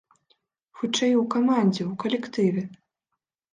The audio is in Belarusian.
Хутчэй, у камандзе, у калектыве.